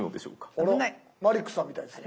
あらマリックさんみたいですね。